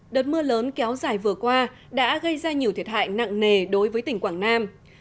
đợt mưa lớn kéo dài vừa qua đã gây ra nhiều thiệt hại nặng nề đối với tỉnh quảng nam